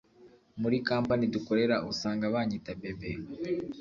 muri kampani dukorera usanga banyita bebe